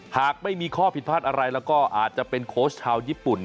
หากไม่มีข้อผิดพลาดอะไรแล้วก็อาจจะเป็นโค้ชชาวญี่ปุ่น